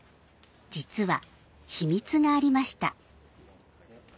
実は秘密がありました。